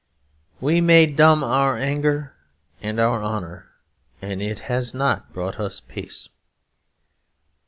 We made dumb our anger and our honour; but it has not brought us peace.